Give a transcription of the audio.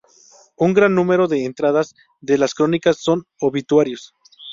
Un gran número de entradas de las crónicas son obituarios.